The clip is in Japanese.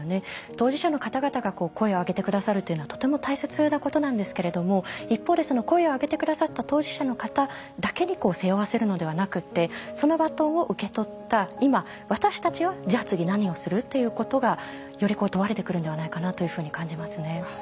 当事者の方々が声を上げて下さるっていうのはとても大切なことなんですけれども一方でその声を上げて下さった当事者の方だけに背負わせるのではなくてそのバトンを受け取った今私たちはじゃあ次何をするっていうことがより問われてくるんではないかなというふうに感じますね。